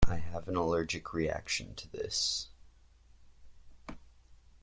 I have an allergic reaction to this.